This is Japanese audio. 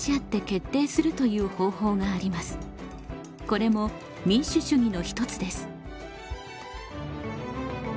これも民主主義の一つです。